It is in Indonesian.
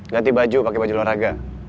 ganti baju pake baju luar raga